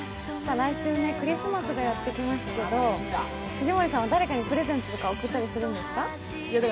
来週クリスマスがやってきますけど、藤森さんは誰かにプレゼントとか贈ったりするんですか？